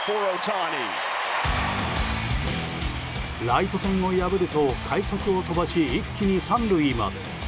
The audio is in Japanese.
ライト線を破ると快足を飛ばし一気に３塁まで。